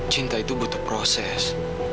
cinta itu butuh proses